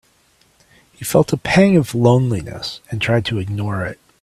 He felt a pang of loneliness and tried to ignore it.